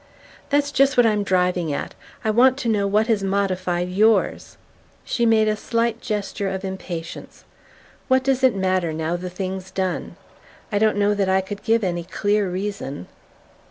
"That's just what I'm driving at. I want to know what has modified yours." She made a slight gesture of impatience. "What does it matter, now the thing's done? I don't know that I could give any clear reason..."